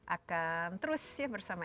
akan terus bersama